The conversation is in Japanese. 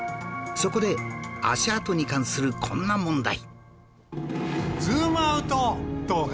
そこで足跡に関するこんな問題